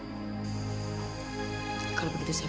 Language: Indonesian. insya allah saya sanggup kan jeng gusti